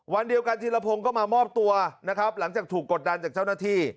วันเดียวกันธีรพงศ์ก็มามอบตัวนะครับหลังจากถูกกดดันจากเจ้าหน้าที่